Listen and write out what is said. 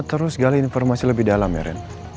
terus gali informasi lebih dalam ya ren